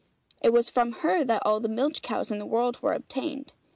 It was from her that all the milch cows in the world were obtained.